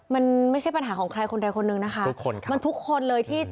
มันไม่ใช่ปัญหาของใครคนแต่คนหนึ่งนะคะมันทุกคนเลยที่